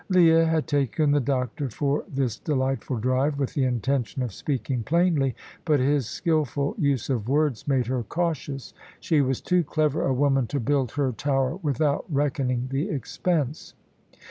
Leah had taken the doctor for this delightful drive with the intention of speaking plainly; but his skilful use of words made her cautious. She was too clever a woman to build her tower without reckoning the expense.